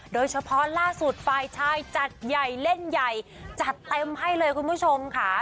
โดยเฉพาะล่าสุดฝ่ายชายจัดใหญ่เล่นใหญ่จัดเต็มให้เลยคุณผู้ชมค่ะ